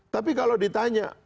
tapi kalau ditanya